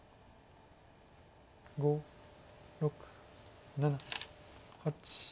５６７８。